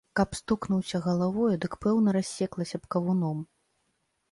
Каб стукнуўся галавою, дык пэўна рассеклася б кавуном.